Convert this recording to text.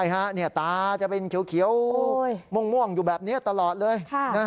ตาจะเป็นเขียวม่วงอยู่แบบนี้ตลอดเลย